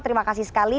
terima kasih sekali